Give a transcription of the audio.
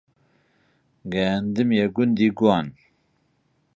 گەیاندمیە گوندی گوان